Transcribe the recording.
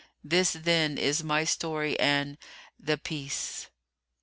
This then is my story and—the Peace!"